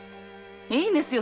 いいんですよ